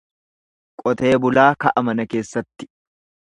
Qotee bulaa ka'a mana keessatti.